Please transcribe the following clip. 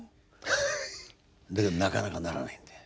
だけどなかなかならないんだよ。